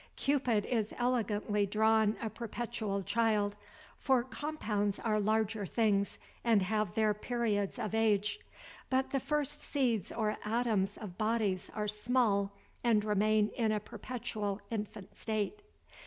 Cupid is elegantly drawn a perpetual child; for compounds are larger things, and have their periods of age; but the first seeds or atoms of bodies are small, and remain in a perpetual infant state.